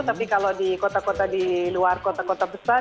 tapi kalau di kota kota di luar kota kota besar